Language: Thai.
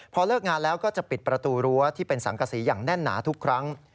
พอเลิกงานแล้วก็จะปิดประตูรั้วที่เป็นสังกษีอย่างแน่นหนาทุกครั้ง